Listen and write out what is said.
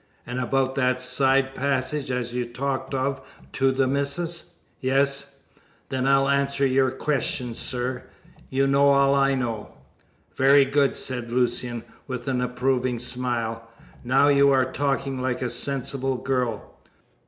"And about that side passage as you talked of to the missis?" "Yes." "Then I'll answer yer questions, sir. You'll know all I know." "Very good," said Lucian, with an approving smile, "now you are talking like a sensible girl."